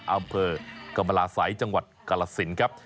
อำเภอกรรมราศัยจังหวัดกรสินครับ